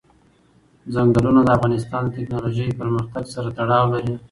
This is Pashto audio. ځنګلونه د افغانستان د تکنالوژۍ پرمختګ سره تړاو لري.